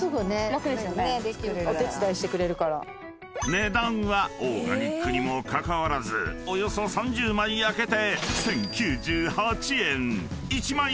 ［値段はオーガニックにもかかわらずおよそ３０枚焼けて］